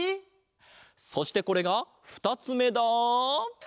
そしてこれが２つめだ！